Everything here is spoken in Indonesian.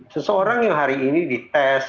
seseorang yang hari ini dites